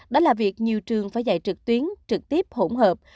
đó là việc nhiều trường phải dạy trực tuyến trực tiếp hỗn hợp